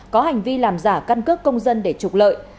có hành vi làm giả căn cước công dân để trục lợi